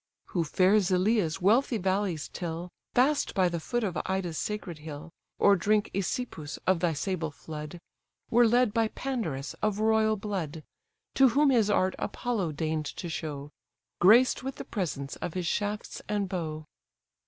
Who fair Zeleia's wealthy valleys till, Fast by the foot of Ida's sacred hill, Or drink, Æsepus, of thy sable flood, Were led by Pandarus, of royal blood; To whom his art Apollo deign'd to show, Graced with the presents of his shafts and bow.